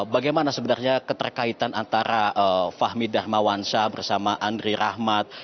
bagaimana sebenarnya keterkaitan antara fahmi darmawansa bersama andri rahmat